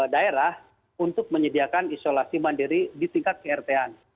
daerah untuk menyediakan isolasi mandiri di tingkat kerta